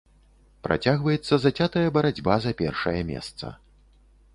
Працягваецца зацятая барацьба за першае месца.